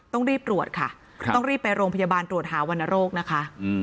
ต้องรีบตรวจค่ะต้องรีบไปโรงพยาบาลตรวจหาวรรณโรคนะคะ